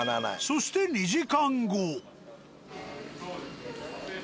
そして２時間後。